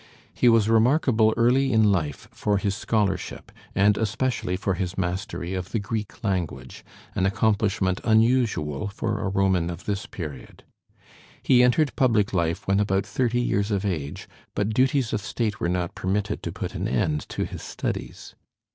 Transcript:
He was remarkable early in life for his scholarship, and especially for his mastery of the Greek language, an accomplishment unusual for a Roman of this period. He entered public life when about thirty years of age, but duties of State were not permitted to put an end to his studies.